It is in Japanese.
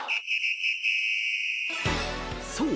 ［そう。